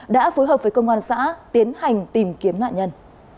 đã phối hợp với công an xã tiến hành tìm kiếm nạn nhân